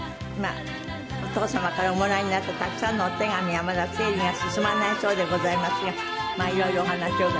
お父様からおもらいになったたくさんのお手紙はまだ整理が進まないそうでございますがまあ色々お話を伺います。